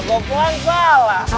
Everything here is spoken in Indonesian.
gue pelan salah